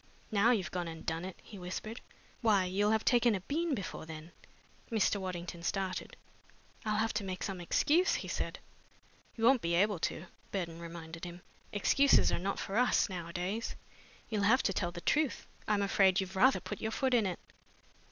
"Now you've gone and done it!" he whispered. "Why, you'll have taken a bean before then!" Mr. Waddington started. "I'll have to make some excuse," he said. "You won't be able to," Burton reminded him. "Excuses are not for us, nowadays. You'll have to tell the truth. I'm afraid you've rather put your foot in it."